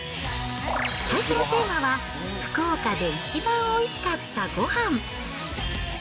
最初のテーマは、福岡で一番おいしかったごはん。